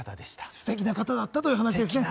ステキな方だったということですね。